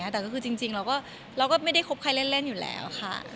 แต่ก็คือจริงเราก็ไม่ได้คบใครเล่นอยู่แล้วค่ะ